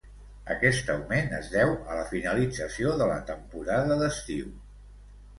Aquest augment es deu a la finalització de la temporada d'estiu.